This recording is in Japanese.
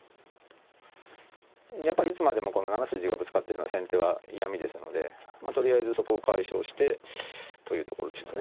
やっぱりいつまでもこの７筋がぶつかってるのは先手は嫌みですのでとりあえずそこを解消してというところでしょうね。